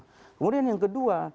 kemudian yang kedua